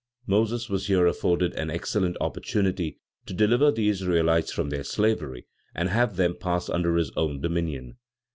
Moses was here afforded an excellent opportunity to deliver the Israelites from their slavery and have them pass under his own domination.